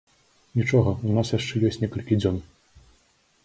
Нічога, у нас яшчэ ёсць некалькі дзён.